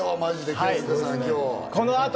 清塚さん、今日。